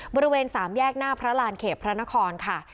บริเวณสามแยกหน้าพระรานเขตพระนครค่ะ